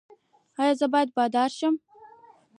ایا زه باید بادار شم؟